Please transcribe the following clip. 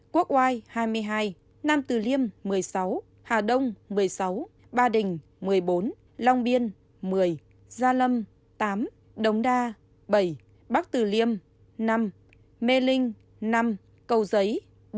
quốc oai hai mươi hai nam từ liêm một mươi sáu hà đông một mươi sáu ba đình một mươi bốn long biên một mươi gia lâm tám đồng đa bảy bắc từ liêm năm mê linh năm cầu giấy